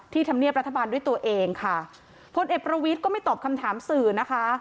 ธรรมเนียบรัฐบาลด้วยตัวเองค่ะพลเอกประวิทย์ก็ไม่ตอบคำถามสื่อนะคะ